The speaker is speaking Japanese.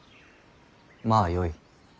まあよい。